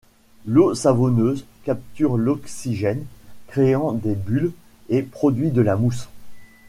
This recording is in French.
L'eau savonneuse capture l'oxygène, créant des bulles, et produit de la mousse.